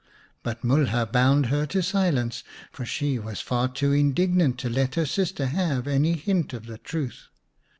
But Mulha bound her to silence, for she was far too indignant to let her sister have any hint of the truth.